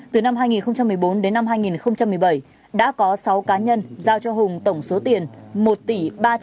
từ năm hai nghìn một mươi bốn đến năm hai nghìn một mươi bảy đã có sáu cá nhân giao cho hùng tổng số tiền một tỷ ba trăm năm mươi một